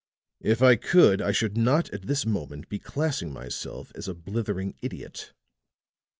"If I could, I should not at this moment be classing myself as a blithering idiot."